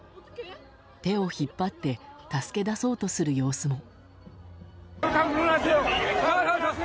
手を引っ張って助け出そうとする様子も。